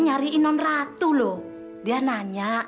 masih mampus ya huey